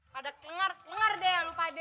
padahal kengar kengar deh lo pade